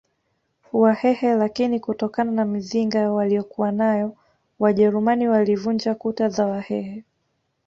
Wahehe lakini kutokana na mizinga waliyokuwanayo wajerumani walivunja kuta za wahehe